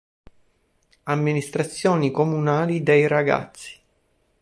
Amministrazioni Comunali dei Ragazzi